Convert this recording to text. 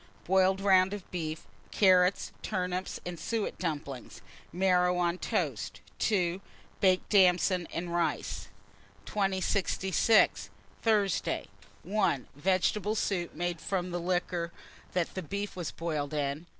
Boiled round of beef, carrots, turnips, and suet dumplings; marrow on toast. 2. Baked damsons and rice. 2066. Thursday. 1. Vegetable soup, made from liquor that beef was boiled in.